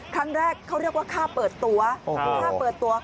ครั้งแรกเขาเรียกว่าค่าเปิดตัว